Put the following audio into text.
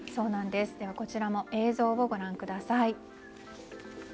こちらも映像をご覧ください。